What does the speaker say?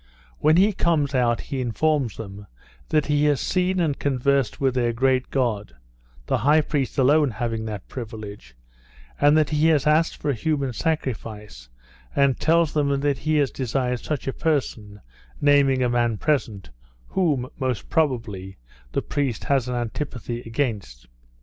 When he comes out, he informs them, that he has seen and conversed with their great God (the high priest alone having that privilege), and that he has asked for a human sacrifice, and tells them that he has desired such a person, naming a man present, whom, most probably, the priest has an antipathy against.